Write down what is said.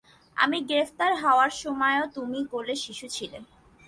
আমি গ্রেফতার হওয়ার সময়ও তুমি কোলের শিশু ছিলে।